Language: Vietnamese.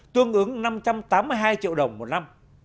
tương ứng năm trăm tám mươi hai triệu đồng một năm